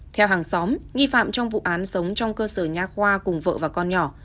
theo hàng xóm nghi phạm trong vụ án sống trong cơ sở nhà khoa cùng vợ và con nhỏ